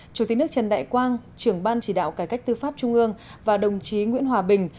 chủ tịch nước trần đại quang trưởng ban chỉ đạo cải cách tư pháp trung ương và đồng chí nguyễn hòa bình